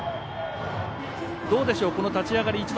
どうでしょう、立ち上がり